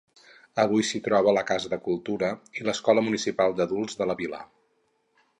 Avui s'hi troba la Casa de Cultura i l'Escola Municipal d'Adults de la vila.